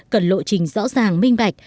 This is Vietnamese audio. cần lộ trình rõ ràng minh bạch